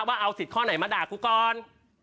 ว่าเอาสิทธิข้อไหนมาด่ากูก่อน